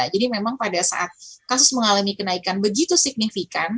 jadi memang pada saat kasus mengalami kenaikan begitu signifikan